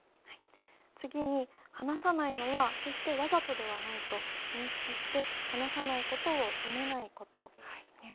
次に、話さないのは決してわざとではないと認識して、話さないことを責めないことですね。